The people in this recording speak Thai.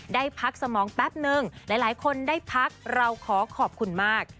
ได้พักสมองแป๊บนึงหลายคนได้พักเราขอขอบคุณมาก